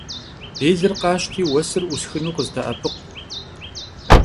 Bêlır khaşti vuesır 'usxınu khızde'epıkhu.